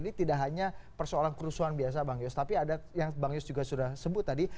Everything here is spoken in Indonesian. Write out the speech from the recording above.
ini tidak hanya persoalan kerusuhan biasa bang yus tapi ada yang bang yus juga sudah sebut tadi